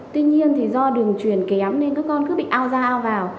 tuy nhiên thì do đường truyền kém nên các con cứ bị ao ra ao vào